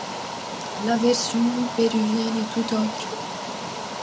La version péruvienne est toute autre.